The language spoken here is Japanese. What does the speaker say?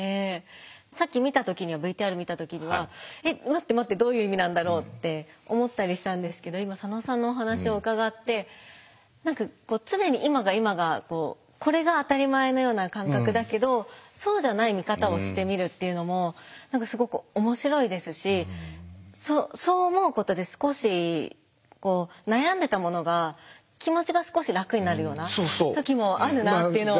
さっき見た時にはＶＴＲ見た時には「待って待ってどういう意味なんだろう」って思ったりしたんですけど今佐野さんのお話を伺って何か常に今が今がこうこれが当たり前のような感覚だけどそうじゃない見方をしてみるっていうのも何かすごく面白いですしそう思うことで少し悩んでたものが気持ちが少し楽になるような時もあるなっていうのを。